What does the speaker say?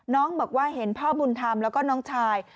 น้องบอกว่าเห็นพ่อบุญธรรมแล้วก็น้องชาย